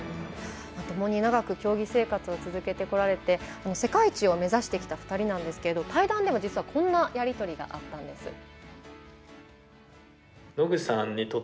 ともに長く競技生活を続けてこられて世界一を目指してきた２人なんですが対談では実はこんなやり取りがあったんです。